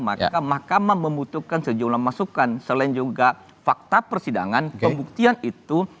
maka mahkamah membutuhkan sejumlah masukan selain juga fakta persidangan pembuktian itu